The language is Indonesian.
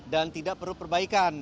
dan tidak perlu perbaikan